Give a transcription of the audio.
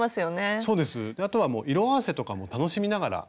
そうですあとは色合わせとかも楽しみながら。